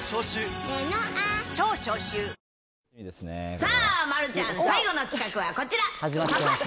さあ、丸ちゃん、最後の企画はこちら。